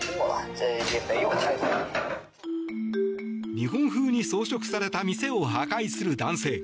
日本風に装飾された店を破壊する男性。